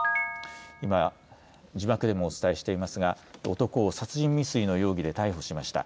今、字幕でもお伝えしていますが男を殺人未遂の容疑で逮捕しました。